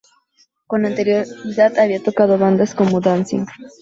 Con anterioridad había tocado en bandas como Danzig.